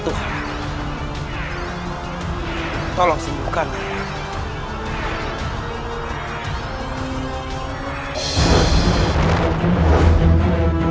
dan kau juga tidak ada nasib peduli ketanganmu